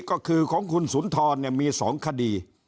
ก็คือของคุณสุนทรมี๒คดี